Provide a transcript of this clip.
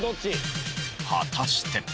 果たして。